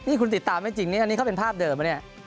นี่คุณติดตามไม่จริงนี่อันนี้เขาเป็นภาพเดิมนะเนี่ย